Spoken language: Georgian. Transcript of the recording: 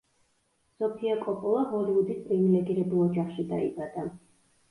სოფია კოპოლა ჰოლივუდის პრივილეგირებულ ოჯახში დაიბადა.